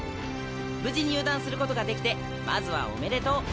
無事入団することができてまずはおめでとう。